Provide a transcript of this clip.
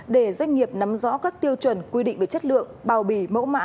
để doanh nghiệp nắm rõ các tiêu chuẩn quy định về chất lượng bao bì mẫu mã